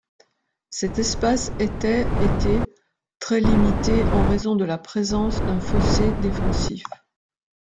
Cet espace était été très limité en raison de la présence d'un fossé défensif.